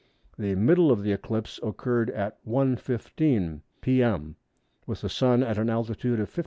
The middle of the eclipse occurred at 1h. 15m. p.m. with the Sun at an altitude of 57°.